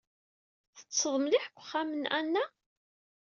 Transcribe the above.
Teḍḍseḍ mliḥ deg wexxam n Ana?